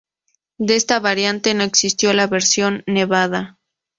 De esta variante no existió la versión Nevada.